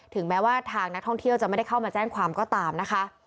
แม้ว่าทางนักท่องเที่ยวจะไม่ได้เข้ามาแจ้งความก็ตามนะคะ